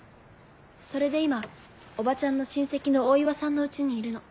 それで今おばちゃんの親戚の大岩さんの家にいるの。